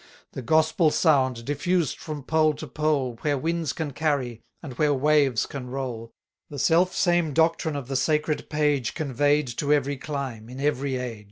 The Gospel sound, diffused from pole to pole, Where winds can carry, and where waves can roll, The self same doctrine of the sacred page Convey'd to every clime, in every age.